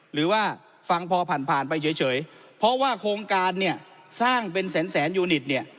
หรือว่าฟังพอผ่านผ่านไปเฉยเพราะว่าโครงการเนี่ยสร้างเป็นแสนแสนยูนิตเนี่ย